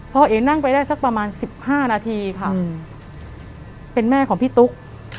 เอ๋นั่งไปได้สักประมาณ๑๕นาทีค่ะเป็นแม่ของพี่ตุ๊ก